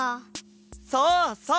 そうそう！